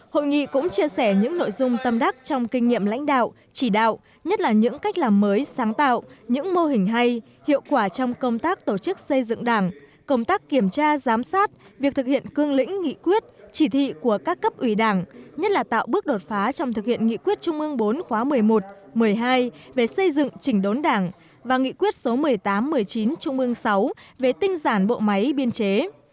hội nghị cũng chia sẻ những nội dung tâm đắc trong kinh nghiệm lãnh đạo chỉ đạo nhất là những cách làm mới sáng tạo những mô hình hay hiệu quả trong công tác tổ chức xây dựng đảng công tác kiểm tra giám sát việc thực hiện cương lĩnh nghị quyết chỉ thị của các cấp ủy đảng nhất là tạo bước đột phá trong thực hiện nghị quyết trung ương bốn khóa một mươi một một mươi hai về xây dựng chỉnh đốn đảng và nghị quyết số một mươi tám một mươi chín trung ương sáu về tinh giản bộ máy biên chế